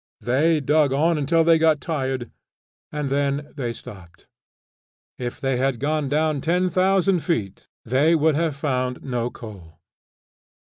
They dug on until they got tired, and then they stopped. If they had gone down ten thousand feet they would have found no coal.